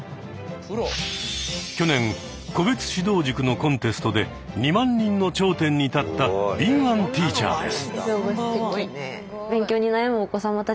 去年個別指導塾のコンテストで２万人の頂点に立った敏腕ティーチャーです。